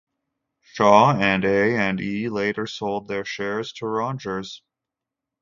Shaw and A and E later sold their shares to Rogers.